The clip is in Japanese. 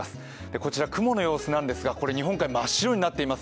こちら、雲の様子なんですが日本海側、真っ白になっています。